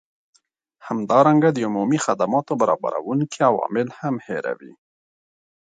همدارنګه د عمومي خدماتو برابروونکي عوامل هم هیروي